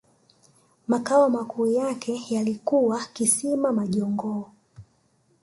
Makao makuu yake yalikuwa Kisima majongoo